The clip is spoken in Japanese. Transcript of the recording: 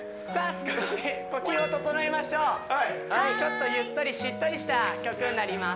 少し呼吸を整えましょうはーいちょっとゆったりしっとりした曲になります